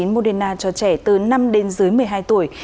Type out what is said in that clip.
moderna cho trẻ từ năm đến dưới một mươi hai tuổi